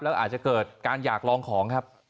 แล้วอาจจะเกิดการอยากลองของครับ